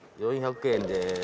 ４００円です。